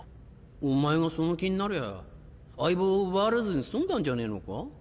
お前がその気になりゃ相棒を奪われずに済んだんじゃねえのか？